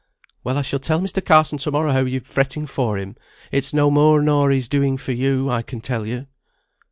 "Well, I shall tell Mr. Carson to morrow how you're fretting for him; it's no more nor he's doing for you, I can tell you."